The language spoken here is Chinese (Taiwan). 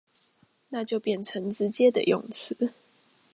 那就變成直接的用詞